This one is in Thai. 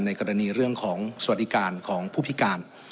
กรณีเรื่องของสวัสดิการของผู้พิการ